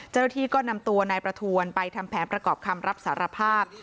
เจ้าหน้าที่ก็นำตัวนายประทวนไปทำแผนประกอบคำรับสารภาพ